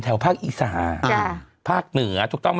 โทษทีน้องโทษทีน้อง